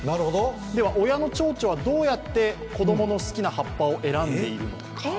では、親のちょうちょはどうやって子供の好きな葉っぱを選んでいるのか。